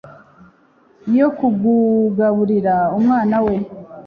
yo kugaburira umwana we